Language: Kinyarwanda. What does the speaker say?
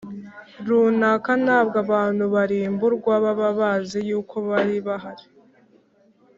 Runaka ntabwo abantu barimburwa baba bazize y uko bari bahari